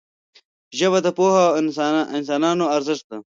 ژبه د پوهو انسانانو ارزښت ده